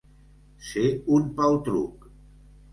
Ser un paltruc.